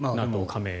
ＮＡＴＯ加盟へ。